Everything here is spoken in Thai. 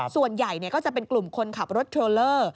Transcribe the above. ส่วนใหญ่ก็จะเป็นกลุ่มคนขับรถเทรลเลอร์